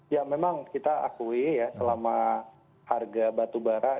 ya memang kita akui ya selama harga batu barat